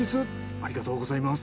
ありがとうございます。